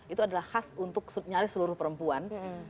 itu adalah khas untuk nyaris seluruh perempuan